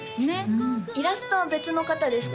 うんイラストは別の方ですか？